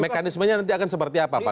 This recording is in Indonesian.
mekanismenya nanti akan seperti apa pak